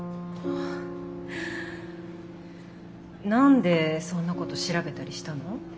何でそんなこと調べたりしたの？